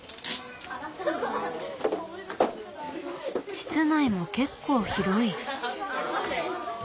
室内も結構広い。